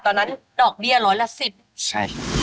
ตอนนั้นดอกเดียร้อยละ๑๐